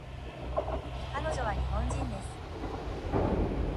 彼女は日本人です